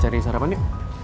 jadi kita cari sarapan yuk